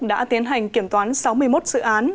đã tiến hành kiểm toán sáu mươi một dự án